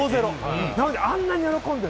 なのにあんなに喜んでいる。